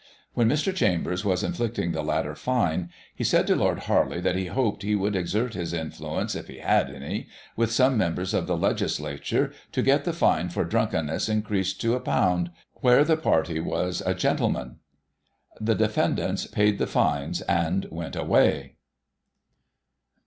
When Mr. Chambers was inflicting the latter fine, he said to Lord Harley that he hoped he would exert his influence, if he had any, with some members of the Legislatiure, to get the fine for drunkenness increased to ;£^i where the party was a gentleman. The defendants paid the fines, and went away.